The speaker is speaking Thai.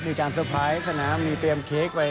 มีการเซอร์ไพรส์สนามมีเตรียมเค้กไว้